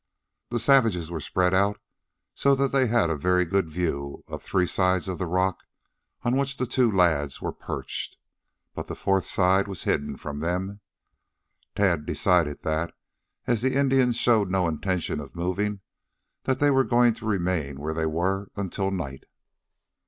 The savages were spread out so that they had a very good view of three sides of the rock on which the two lads were perched, but the fourth side was hidden from them. Tad decided that, as the Indians showed no intention of moving, they were going to remain where they were until night.